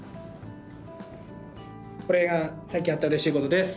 これが最近あったうれしいことです。